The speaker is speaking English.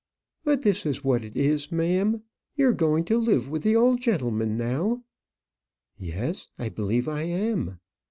"But this is what it is, ma'am; you're going to live with the old gentleman now." "Yes, I believe I am."